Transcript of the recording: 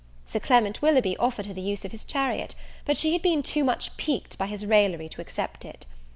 Sir Clement Willoughby offered her the use of his chariot, but she had been too much piqued by his raillery to accept it.